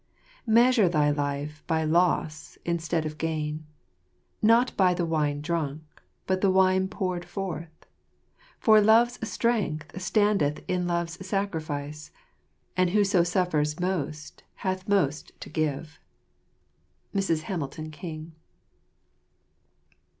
Measure thy life by loss instead of gain ; Not by the wine drunk, but the wine poured forth ; For love's strength stand eth in love's sacrifice ; And whoso suffers most hath most to give. " Mrs. Hamilton King.